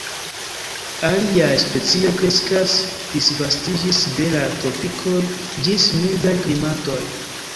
Aliaj specioj kreskas, disvastiĝis de la tropikoj ĝis mildaj klimatoj.